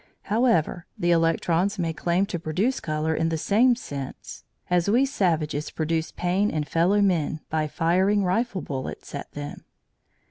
However, the electrons may claim to produce colour in the same sense as we savages produce pain in fellow men by firing rifle bullets at them.